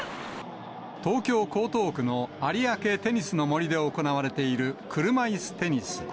東京・江東区の有明テニスの森で行われている車いすテニス。